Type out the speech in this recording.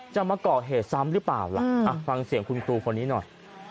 มาก่อเหตุซ้ำหรือเปล่าล่ะฟังเสียงคุณครูคนนี้หน่อย